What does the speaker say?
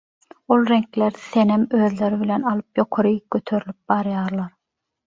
ol reňkler senem özleri bilen alyp ýokaryk göterlip barýarlar.